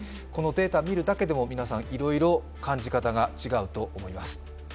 このデータを見るだけでも皆さんいろいろ感じ方が違うと思います。